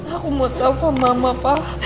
aku mau tahu sama mama pa